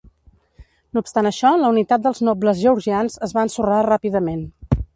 No obstant això, la unitat dels nobles georgians es va ensorrar ràpidament.